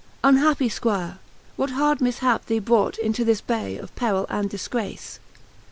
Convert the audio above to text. Unhappy Spuire, what hard miftiap thee brought Into this bay of perill and difgrace?